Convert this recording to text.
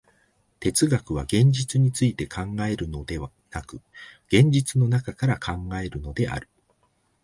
哲学は現実について考えるのでなく、現実の中から考えるのである。